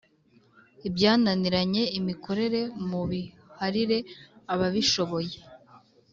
Ibyananiranye imikorere mubiharire ababishoboye